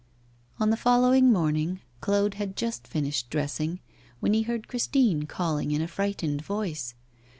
On the following morning, Claude had just finished dressing, when he heard Christine calling in a frightened voice.